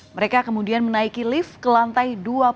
mereka kemudian menaiki lift ke lantai dua puluh satu